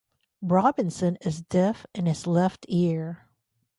Robinson is deaf in his left ear.